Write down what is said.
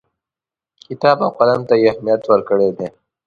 کتاب او قلم ته یې اهمیت ورکړی دی.